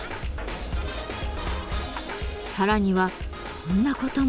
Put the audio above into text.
さらにはこんなことも。